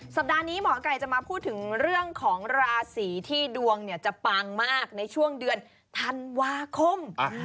สัปดาห์นี้หมอไก่จะมาพูดถึงเรื่องของราศีที่ดวงจะปังมากในช่วงเดือนธันวาคม